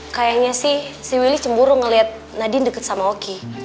kayaknya sih si willy cemburu ngelihat nadine deket sama oki